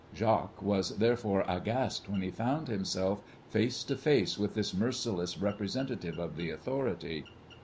Jacques was therefore aghast when he found himself face to face with this merciless representative of the authority.